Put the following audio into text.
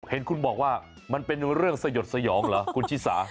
เห็นคุณบอกว่ามันเป็นเรื่องสยดสยองเหรอคุณชิสา